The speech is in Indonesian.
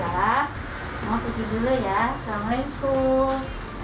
mama pergi dulu ya assalamualaikum